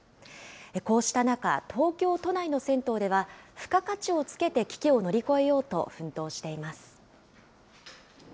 こうした中、東京都内の銭湯では、付加価値をつけて危機を乗り越えようと奮闘しています。